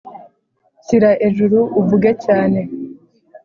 Shyira ejuru uvuge cyane